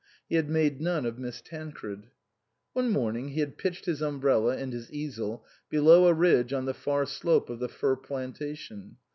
He had made none of Miss Tancred. One morning he had pitched his umbrella and his easel below a ridge on the far slope of the fir plantation.